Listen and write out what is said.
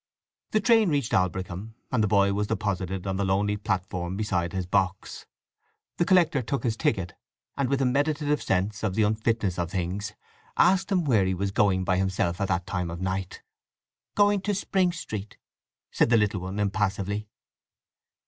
The train reached Aldbrickham, and the boy was deposited on the lonely platform beside his box. The collector took his ticket, and, with a meditative sense of the unfitness of things, asked him where he was going by himself at that time of night. "Going to Spring Street," said the little one impassively.